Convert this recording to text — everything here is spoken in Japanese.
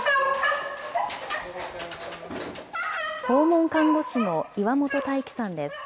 訪問看護師の岩本大希さんです。